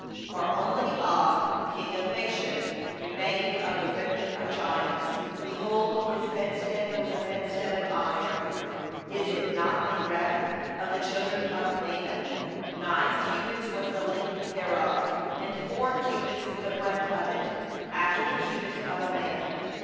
— 11For only Og king of Bashan remained of the remnant of the Rephaim; behold, his bedstead was a bedstead of iron; is it not in Rabbah of the children of Ammon? nine cubits was the length thereof, and four cubits the breadth of it, after the cubit of a 3 man.